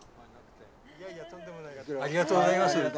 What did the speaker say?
ありがとうございます。